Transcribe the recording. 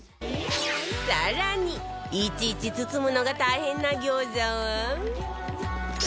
更にいちいち包むのが大変な餃子は